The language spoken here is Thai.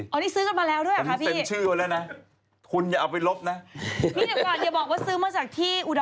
อันนี้ซื้อกันมาแล้วค่ะพี่